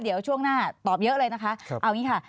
เดี๋ยวช่วงหน้าตอบเยอะเลยนะคะ